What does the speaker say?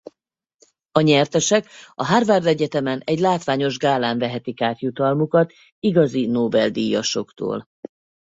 A nyertesek a Harvard Egyetemen egy látványos gálán vehetik át jutalmukat igazi Nobel-díjasoktól.